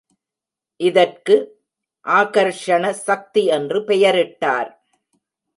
இதற்கு ஆகர்ஷண சக்தி என்று பெயரிட்டார்.